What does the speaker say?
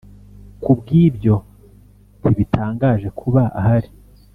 Ku bw ibyo ntibitangaje kuba ahari